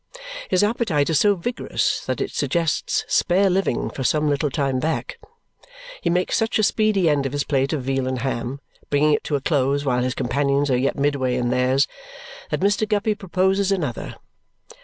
His appetite is so vigorous that it suggests spare living for some little time back. He makes such a speedy end of his plate of veal and ham, bringing it to a close while his companions are yet midway in theirs, that Mr. Guppy proposes another.